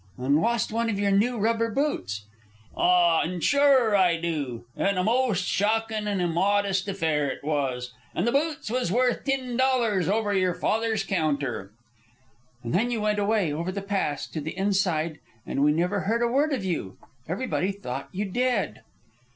"And lost one of your new rubber boots?" "Ah, an' sure an' I do. And a most shockin' an' immodest affair it was! An' the boots was worth tin dollars over yer father's counter." "And then you went away, over the Pass, to the Inside, and we never heard a word of you. Everybody thought you dead."